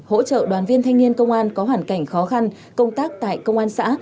hỗ trợ đoàn viên thanh niên công an có hoàn cảnh khó khăn công tác tại công an xã